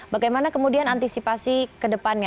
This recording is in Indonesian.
bagaimana kemudian antisipasi ke depannya